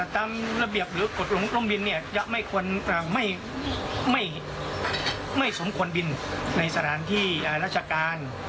ตามระเบียบหรือกฎลงบินจะไม่สมควรบินในสถานที่ราชการ